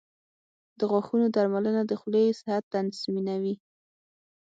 • د غاښونو درملنه د خولې صحت تضمینوي.